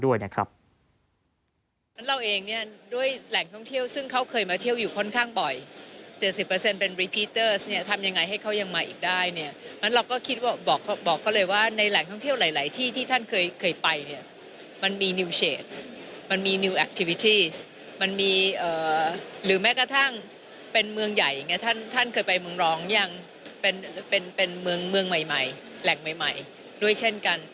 ว่าการกระทรวงการท่องเที่ยวและกีฬาเดินทางไปเป็นประตัดฐานด้วยนะครับ